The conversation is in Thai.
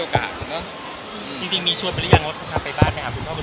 ถ้ามีโอกาส